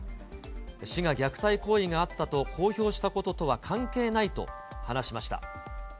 市が虐待行為があったと公表したこととは関係ないと話しました。